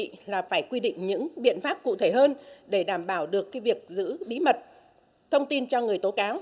đề nghị là phải quy định những biện pháp cụ thể hơn để đảm bảo được việc giữ bí mật thông tin cho người tố cáo